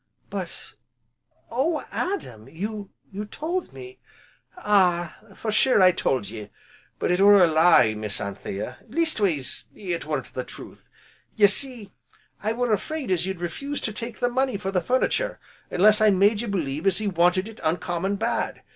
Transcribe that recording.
"But oh Adam! you told me " "Ah! for sure I told ye, but it were a lie, Miss Anthea, leastways, it weren't the truth. Ye see, I were afraid as you'd refuse to take the money for the furnitur' unless I made ye believe as he wanted it uncommon bad.